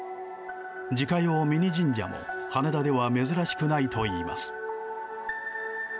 自家用ミニ神社も、羽田では珍しくないといいます。